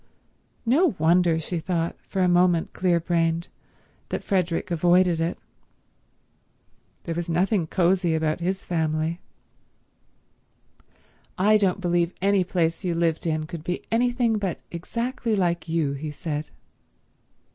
No wonder, she thought, for a moment clear brained, that Frederick avoided it. There was nothing cosy about his family. "I don't believe any place you lived in could be anything but exactly like you," he said.